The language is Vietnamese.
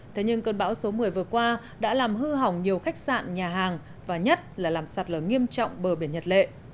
thế nhưng cơn bão số một mươi vừa qua đã làm hư hỏng nhiều khách sạn nhà hàng và nhất là làm sạt lở nghiêm trọng bờ biển nhật lệ